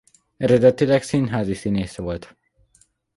Eredetileg színházi színész volt.